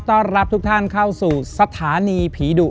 ต้อนรับทุกท่านเข้าสู่สถานีผีดุ